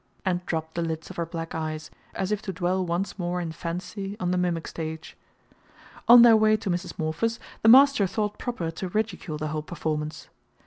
and dropped the lids of her black eyes, as if to dwell once more in fancy on the mimic stage. On their way to Mrs. Morpher's the master thought proper to ridicule the whole performance.